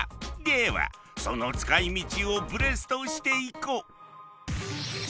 ではその使いみちをブレストしていこう。